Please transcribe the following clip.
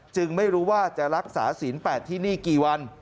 ไม่รู้ว่าจะรักษาศีล๘ที่นี่กี่วัน